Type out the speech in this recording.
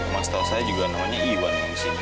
mas tau saya juga namanya iwan